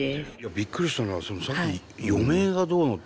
びっくりしたのはさっき余命がどうのっておっしゃってました。